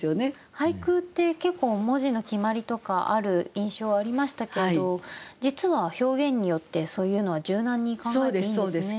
俳句って結構文字の決まりとかある印象ありましたけれど実は表現によってそういうのは柔軟に考えていいんですね。